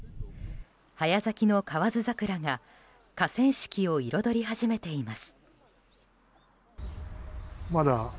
早咲きの河津桜が河川敷を彩り始めています。